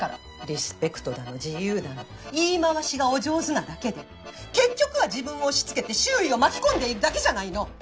リスペクトだの自由だの言い回しがお上手なだけで結局は自分を押し付けて周囲を巻き込んでいるだけじゃないの！